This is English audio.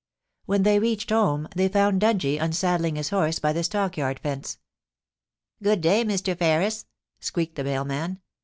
When they reached home, they found Dungie unsaddling his horse by the stockyard fence. 'Good day, Mr. Ferris,' squeaked the mailman.